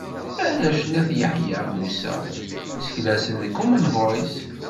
Arrac n At Yeḥya Musa, seklasen deg Common Voice.